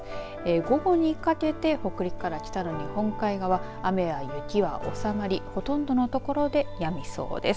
午後にかけて北陸から北の日本海側雨や雪はおさまりほとんどの所でやみそうです。